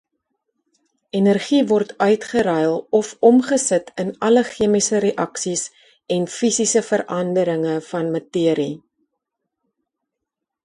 Energie word uitgeruil of omgesit in alle chemiese reaksies en fisiese veranderinge van materie.